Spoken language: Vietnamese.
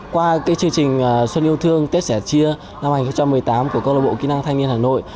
qua cái chương trình xuân yêu thương tết sẻ chia năm hai nghìn một mươi tám của công lộc bộ kỹ năng thanh niên hà nội